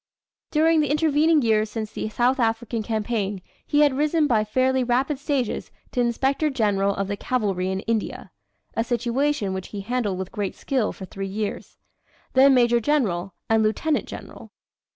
During the intervening years since the South African campaign he had risen by fairly rapid stages to Inspector General of the Cavalry in India a situation which he handled with great skill for three years then Major General, and Lieutenant General.